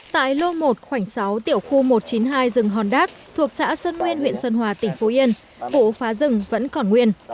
tại lô một khoảnh sáu tiểu khu một trăm chín mươi hai rừng hòn đác thuộc xã sơn nguyên huyện sơn hòa tỉnh phú yên vụ phá rừng vẫn còn nguyên